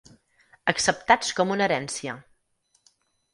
Acceptats com una herència.